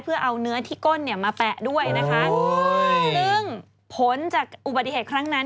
เพื่อเอาเนื้อที่ก้นเนี่ยมาแปะด้วยนะคะซึ่งผลจากอุบัติเหตุครั้งนั้น